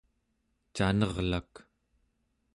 canerlak